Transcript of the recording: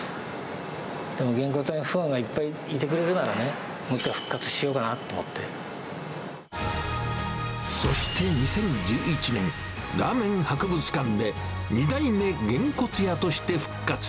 でもげんこつ屋にファンがいっぱいいてくれるならね、もう一回、そして２０１１年、ラーメン博物館で、二代目げんこつ屋として復活。